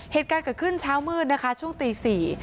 เหตุการณ์เกิดขึ้นเช้ามืดนะคะช่วงตีสี่